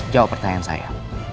jawab pertanyaan saya